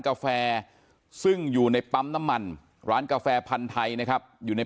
กาแฟซึ่งอยู่ในปั๊มน้ำมันร้านกาแฟพันธุ์ไทยนะครับอยู่ใน